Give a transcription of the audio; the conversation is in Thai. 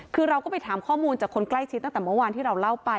คือเราก็ไปถามข้อมูลจากคนใกล้ชิดตั้งแต่เมื่อวานที่เราเล่าไป